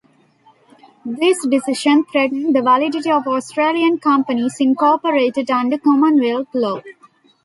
This decision threatened the validity of Australian companies incorporated under commonwealth law.